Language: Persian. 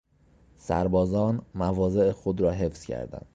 سربازان مواضع خود را حفظ کردند.